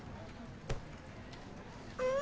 うん！